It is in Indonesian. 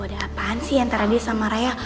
ada apaan sih antara dia sama raya